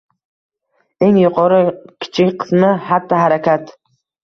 Eng yuqori kichik qismi hatti-harakat.